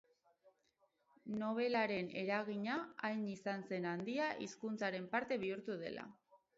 Nobelaren eragina hain izan zen handia hizkuntzaren parte bihurtu dela.